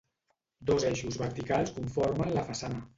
Dos eixos verticals conformen la façana.